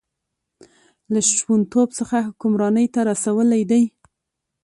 له شپونتوب څخه حکمرانۍ ته رسولی دی.